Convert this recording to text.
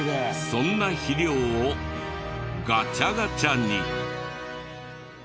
そんな肥料をガチャガチャに！